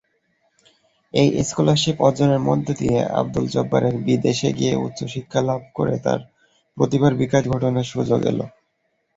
এই স্কলারশিপ অর্জনের মধ্য দিয়ে আবদুল জব্বারের বিদেশে গিয়ে উচ্চশিক্ষা লাভ করে তার প্রতিভার বিকাশ ঘটানোর সুযোগ এলো।